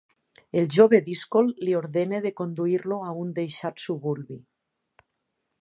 El jove díscol li ordena de conduir-lo a un deixat suburbi.